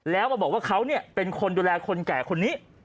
แล้วมาบอกว่าเขาเป็นคนดูแลคนแก่คนนี้